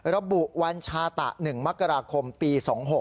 ระบุวันชาตะ๑มกราคมปี๒๖๖